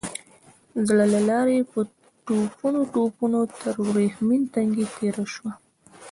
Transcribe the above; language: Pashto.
زړه لارۍ په ټوپونو ټوپونو تر ورېښمين تنګي تېره شوه.